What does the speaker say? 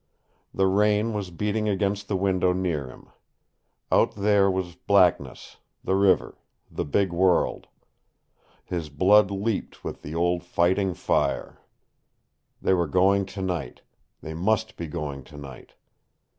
The rain was beating against the window near him. Out there was blackness, the river, the big world. His blood leaped with the old fighting fire. They were going tonight; they must be going tonight!